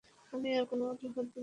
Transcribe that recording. আমি আর কোনো অজুহাতে গেলাম না।